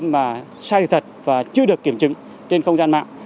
mà sai sự thật và chưa được kiểm chứng trên không gian mạng